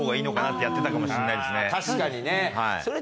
あ確かにね。